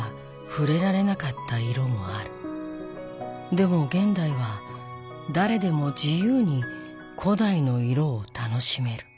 でも現代は誰でも自由に古代の色を楽しめる。